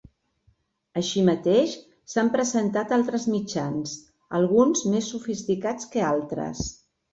Així mateix s'han presentat altres mitjans, alguns més sofisticats que altres.